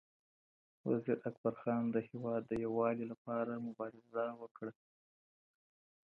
وزیر اکبر خان د هېواد د یووالي لپاره مبارزه وکړه.